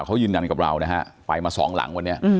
เขายืนยันกับเรานะฮะไปมาสองหลังวันนี้